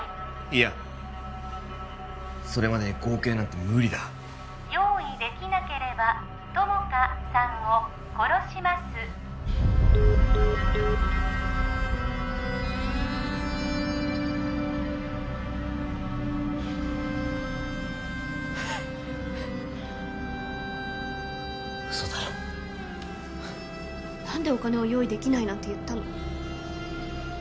いやそれまでに５億円なんて無理だ用意できなければ友果さんを殺しますはは嘘だろ何でお金を用意できないなんて言ったの？